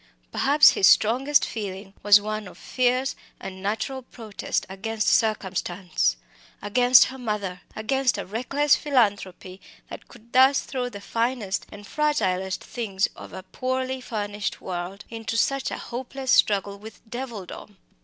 Perhaps his strongest feeling was one of fierce and natural protest against circumstance against her mother! against a reckless philanthropy that could thus throw the finest and fragilest things of a poorly furnished world into such a hopeless struggle with devildom.